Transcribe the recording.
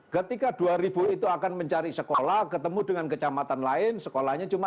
ketika dua itu akan mencari sekolah ketemu dengan kecamatan lain sekolahnya cuma tiga ratus